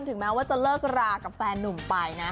ถึงแม้ว่าจะเลิกรากับแฟนนุ่มไปนะ